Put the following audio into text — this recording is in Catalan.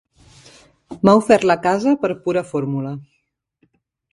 M'ha ofert la casa per pura fórmula.